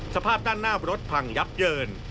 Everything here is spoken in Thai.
สภาพด้านหน้ารถพังยับเยิน